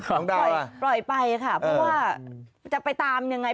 ปล่อยปล่อยไปค่ะเพราะว่าจะไปตามยังไง